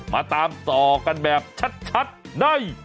มาตามต่อกันแบบชัดใน